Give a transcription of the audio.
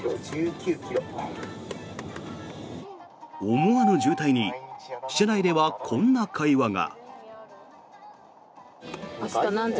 思わぬ渋滞に車内ではこんな会話が。